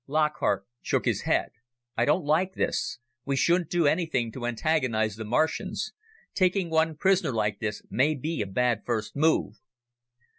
Lockhart shook his head. "I don't like this. We shouldn't do anything to antagonize the Martians. Taking one prisoner like this may be a bad first move."